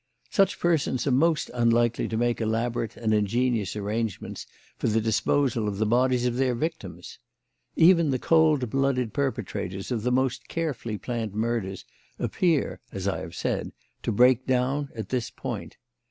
Such persons are most unlikely to make elaborate and ingenious arrangements for the disposal of the bodies of their victims. Even the cold blooded perpetrators of the most carefully planned murders appear, as I have said, to break down at this point.